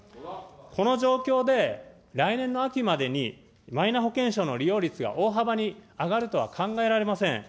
この状況で、来年の秋までにマイナ保険証の利用率が大幅に上がるとは考えられません。